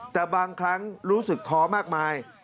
แต่บางครั้งรู้สึกท้อมากมาย